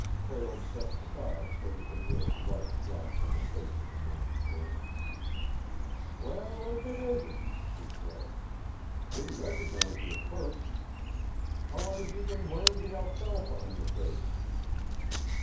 Prale stepped aside so that the nearest light flashed on the face of the man before him. "Well, if it isn't!" he said. "Didn't recognize you at first. How long have you been wearing the alfalfa on your face?"